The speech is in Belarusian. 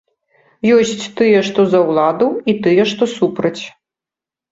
Ёсць тыя, што за ўладу і тыя, што супраць.